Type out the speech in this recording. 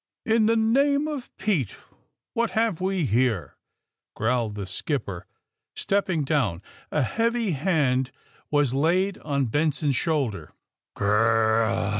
In the name of Pete, what have we herel" 64 THE SUBMAEINE BOYS growled the skipper, stepping down. A heavy hand was laid on Benson's shoulder.